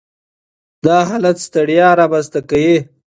دا حالت ستړیا رامنځ ته کوي.